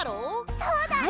そうだね。